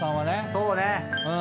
そうね。